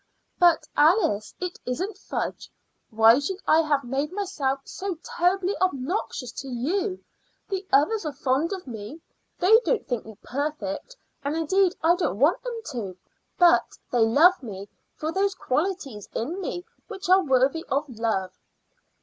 "But Alice, it isn't fudge. Why should I have made myself so terribly obnoxious to you? The others are fond of me; they don't think me perfect and indeed I don't want them to but they love me for those qualities in me which are worthy of love."